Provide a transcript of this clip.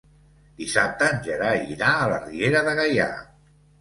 Dissabte en Gerai irà a la Riera de Gaià.